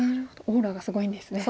オーラがすごいんですね。